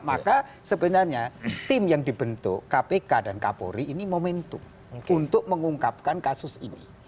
maka sebenarnya tim yang dibentuk kpk dan kapolri ini momentum untuk mengungkapkan kasus ini